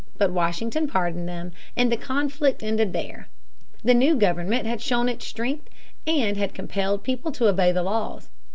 But Washington pardoned them, and the conflict ended there. The new government had shown its strength, and had compelled people to obey the laws.